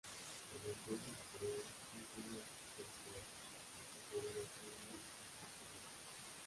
En el curso superior el río es tortuoso, las orillas son muy pantanosas.